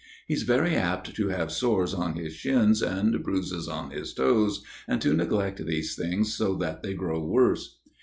He's very apt to have sores on his shins and bruises on his toes, and to neglect these things so that they grow worse.